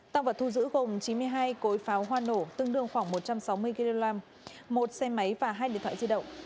tăng vật thu giữ gồm chín mươi hai cối pháo hoa nổ tương đương khoảng một trăm sáu mươi kg một xe máy và hai điện thoại di động